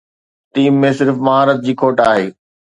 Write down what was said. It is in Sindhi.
ٽيم ۾ صرف مهارت جي کوٽ آهي.